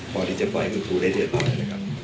พอที่จะปล่อยคุณครูได้เรียบร้อยนะครับ